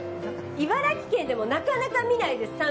茨城県でもなかなか見ないです